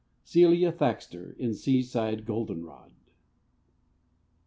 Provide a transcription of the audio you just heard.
—Celia Thaxter, in "Seaside Goldenrod."